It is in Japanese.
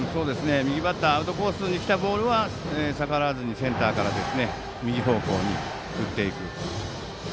右バッターアウトコースにきたボールは逆らわずにセンターから右方向に打っていく。